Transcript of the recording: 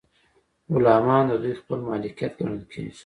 غلامان د دوی خپل مالکیت ګڼل کیدل.